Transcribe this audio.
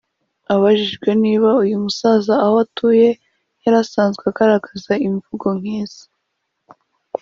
Abajijwe niba uyu musaza aho atuye yari asanzwe agaragaza imvugo nk’izi